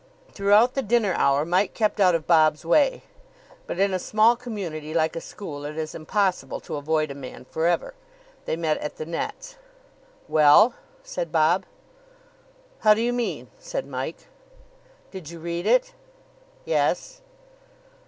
Throughout the dinner hour Mike kept out of Bob's way. But in a small community like a school it is impossible to avoid a man for ever. They met at the nets. "Well?" said Bob. "How do you mean?" said Mike. "Did you read it?" "Yes."